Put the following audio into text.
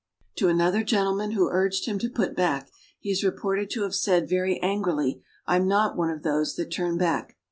To another gentleman who urged him to put back, he is reported to have said very angrily, "I'm not one of those that turn back."